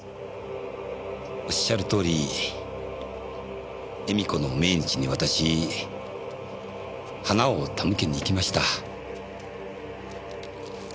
おっしゃるとおり恵美子の命日に私花を手向けに行きました。